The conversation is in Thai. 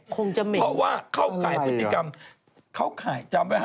คงจะมีเพราะว่าเข้าไข้พฤติกรรมไข้จำไว้ครับ